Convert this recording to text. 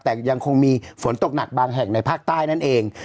แต่ยังคงมีฝนตกหนักบางแห่งในภาคใต้นั่นเอง